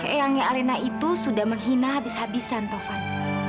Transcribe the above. eyangnya alena itu sudah menghina habis habisan taufan